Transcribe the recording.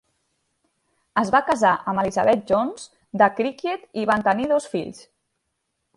Es va casar amb Elizabeth Jones de Criccieth i van tenir dos fills.